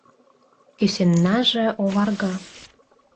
Кӱсеннаже оварга...